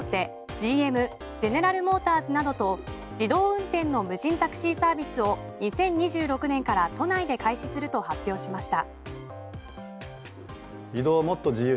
ＧＭ・ゼネラルモーターズなどと自動運転の無人タクシーサービスを２０２６年から都内で開始すると発表しました。